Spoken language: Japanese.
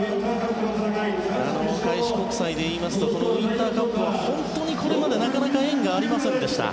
開志国際でいいますとウインターカップは本当にこれまでなかなか縁がありませんでした。